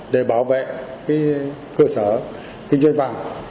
để bảo vệ cơ sở kinh doanh vàng